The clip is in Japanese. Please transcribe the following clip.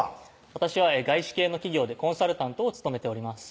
私は外資系の企業でコンサルタントを務めております